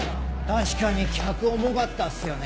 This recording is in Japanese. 確かに客重かったっすよね。